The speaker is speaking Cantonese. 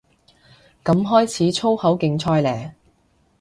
噉開始粗口競賽嘞